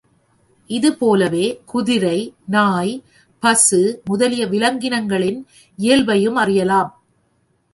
இது போலவே குதிரை, நாய், பசு முதலிய விலங்கினங்களின் இயல்பையும் அறியலாம்.